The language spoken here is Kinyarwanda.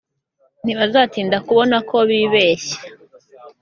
ntibazatinda kubona ko bibeshya